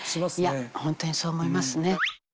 いやホントにそう思いますね。